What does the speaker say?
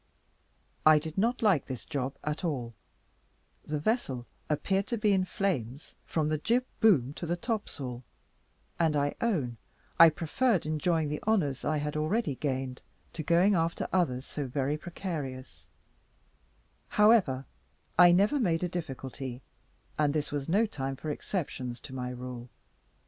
I did not like this job at all; the vessel appeared to be in flames from the jib boom to the topsail; and I own I preferred enjoying the honours I had already gained, to going after others so very precarious; however, I never made a difficulty, and this was no time for exceptions to my rule.